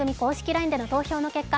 ＬＩＮＥでの投票の結果